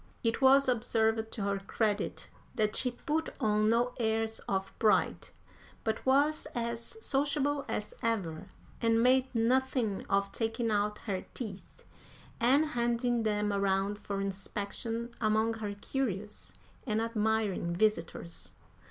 It was observed, to her credit, that she put on no airs of pride, but was as sociable as ever, and made nothing of taking out her teeth and handing them around for inspection among her curious and admiring visitors.